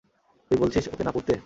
তুই বলছিস ওকে না পুড়তে?